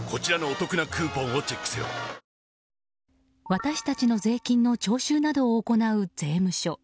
私たちの税金の徴収などを行う税務署。